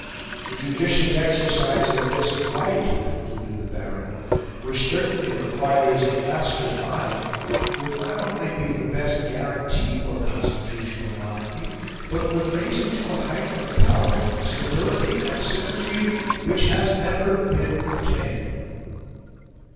"The judicious exercise of this right," concluded the Baron, "which certainly requires a master mind, would not only be the best guarantee for Constitutional Monarchy, but would raise it to a height of power, stability, and symmetry, which has never been attained."